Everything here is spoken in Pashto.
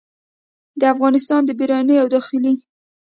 د افغانستان د بیروني او داخلي